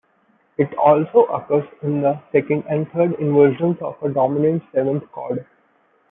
It also occurs in the second and third inversions of a dominant seventh chord.